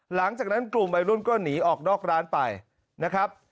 หลังจากนั้นกลุ่มวัยรุ่นก็หนีออกนอกร้านไปนะครับ